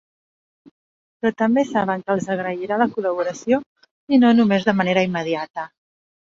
Però també saben que els agrairà la col·laboració, i no només de manera immediata.